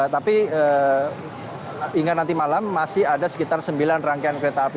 tapi hingga nanti malam masih ada sekitar sembilan rangkaian kereta api